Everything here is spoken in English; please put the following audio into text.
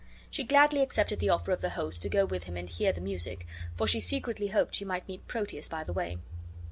She gladly accepted the offer of the host to go with him and hear the music; for she secretly hoped she might meet Proteus by the way.